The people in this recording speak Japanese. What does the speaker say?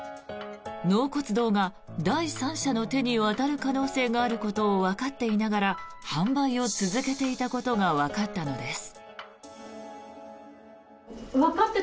納骨堂が第三者の手に渡る可能性があることをわかっていながら販売を続けていたことがわかったのです。